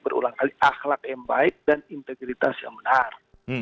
berulang kali akhlak yang baik dan integritas yang benar